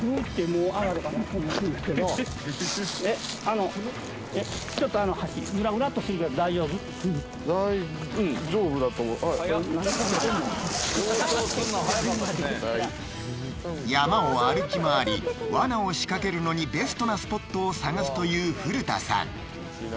もうすぐですけど山を歩き回り罠を仕掛けるのにベストなスポットを探すという古田さん